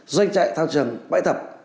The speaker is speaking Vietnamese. doanh chạy thao trường bãi thập